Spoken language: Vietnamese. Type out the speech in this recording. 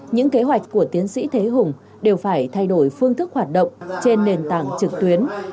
những kế hoạch của tiến sĩ thế hùng đều phải thay đổi phương thức hoạt động trên nền tảng trực tuyến